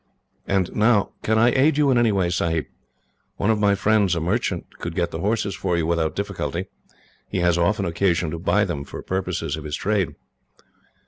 "And now, can I aid you in any way, Sahib? One of my friends, a merchant, could get the horses for you without difficulty. He has often occasion to buy them, for the purposes of his trade."